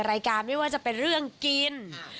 รายการไม่ว่าจะเป็นเรื่องกิน